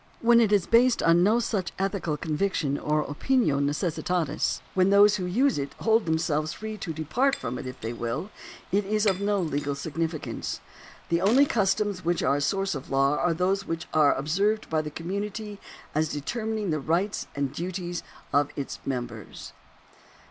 When it is based on no such ethical conviction or opinio necessitatis — when those who use it hold themselves free to depart from it if they will — it is of no legal significance. The only customs which are a source of law are those which arc observed by the community as determining the rights and duties of its members.